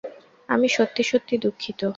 আমি সত্যি সত্যি দুঃখিত।